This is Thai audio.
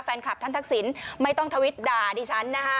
แฟนคลับท่านทักษิณไม่ต้องทวิตด่าดิฉันนะคะ